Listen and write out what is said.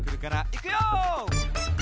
いくよ！